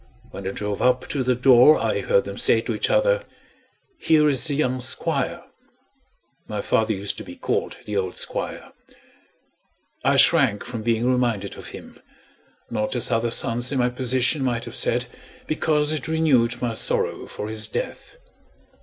When I drove up to the door, I heard them say to each other: "Here is the young Squire." My father used to be called "the old Squire." I shrank from being reminded of him not as other sons in my position might have said, because it renewed my sorrow for his death.